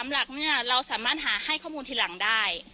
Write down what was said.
หลักเนี่ยเราสามารถหาให้ข้อมูลทีหลังได้